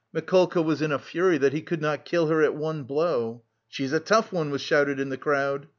Mikolka was in a fury that he could not kill her at one blow. "She's a tough one," was shouted in the crowd.